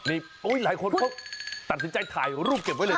นี่หลายคนเขาตัดสินใจถ่ายรูปเก็บไว้เลยนะ